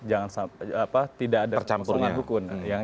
apa tidak ada keseluruhan hukum